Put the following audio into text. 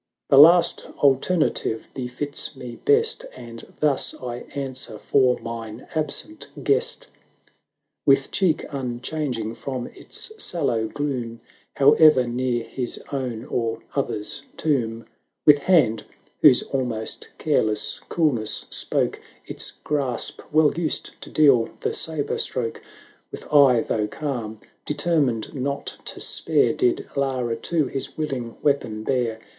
402 LARA [Canto ii. "The last alternative befits me best, 700 And thus I answer for mine absent guest." With cheek unchanging from its sallow gloom, However near his own or other's tomb; With hand, whose almost careless cool ness spoke Its grasp well used to deal the sabre stroke; With eye, though calm, determined not to spare, Did Lara too his willing weapon bare.